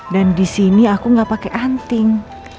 dan disini aku gak pake anting